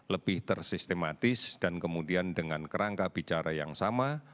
lebih tersistematis dan kemudian dengan kerangka bicara yang sama